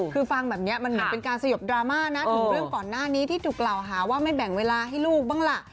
คือฟังแบบนี้มันเหมือนเป็นการสยบดราม่านะถึงเรื่องก่อนหน้านี้ที่ถูกกล่าวหาว่าไม่แบ่งเวลาให้ลูกบ้างล่ะ